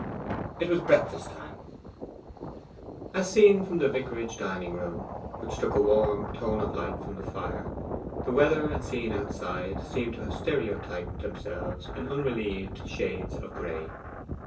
It was breakfast time. As seen from the vicarage dining room, which took a warm tone of light from the fire, the weather and scene outside seemed to have stereotyped themselves in unrelieved shades of gray.